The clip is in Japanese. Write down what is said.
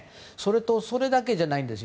それだけじゃないんです。